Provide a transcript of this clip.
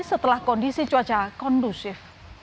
setelah kondisi cuaca kondusif